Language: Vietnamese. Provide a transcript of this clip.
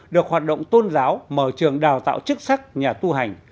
được hoạt động tôn giáo mở trường đào tạo chức sắc nhà tu hành